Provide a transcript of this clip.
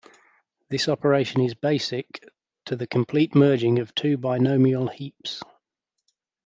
This operation is basic to the complete merging of two binomial heaps.